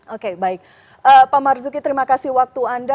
oke baik pak marzuki terima kasih waktu anda